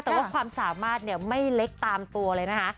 แต่ว่าความสามารถเนี่ยไม่เล็กตามตัวเลยนะคะ